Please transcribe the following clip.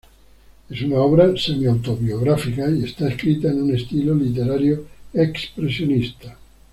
Es una obra semiautobiográfica y está escrita en un estilo literario expresionista.